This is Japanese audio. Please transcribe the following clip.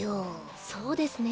そうですね。